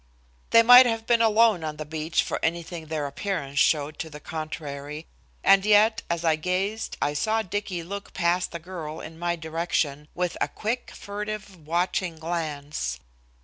They might have been alone on the beach for anything their appearance showed to the contrary. And yet as I gazed I saw Dicky look past the girl in my direction, with a quick, furtive, watching glance.